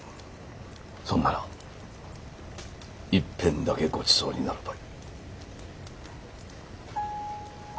そんなら一遍だけごちそうになるばい。